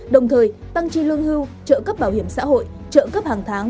đồng thời tăng tri lương hưu trợ cấp bảo hiểm xã hội trợ cấp hàng tháng